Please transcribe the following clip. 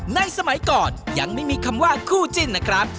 สมัยก่อนยังไม่มีคำว่าคู่จิ้นนะครับ